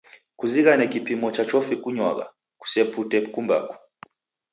Kuzighane kipimo cha chofi kunywagha, kusepute kumbaku.